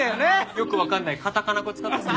よく分かんないカタカナ語使ってさ。